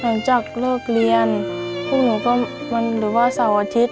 หลังจากเลิกเรียนหรือว่าเสาร์อาทิตย์